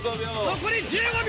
残り５秒！